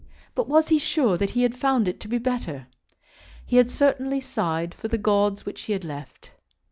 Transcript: But was he sure that he had found it to be better? He had certainly sighed for the gauds which he had left.